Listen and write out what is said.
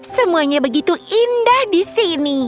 semuanya begitu indah di sini